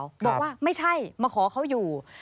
บอกว่าไม่ใช่มาขอเขาอยู่